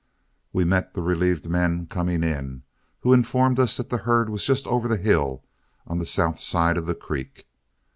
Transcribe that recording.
We met the relieved men coming in, who informed us that the herd was just over the hill on the south side of the creek.